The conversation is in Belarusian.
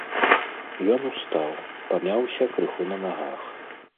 Ён устаў, памяўся крыху на нагах.